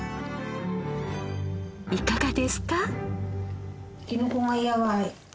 いかがですか？